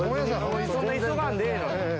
そんな急がんでええのに。